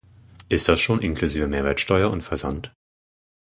Ist das schon inklusive Mehrwertsteuer und Versand?